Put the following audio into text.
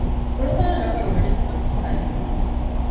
ކުޅަދާނަ ރަނގަޅު ވަޑިން މަލިކުގައި އެބަތިވި